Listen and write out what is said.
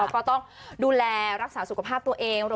ก็ต้องดูแลรักษาสุขภาพตัวเอง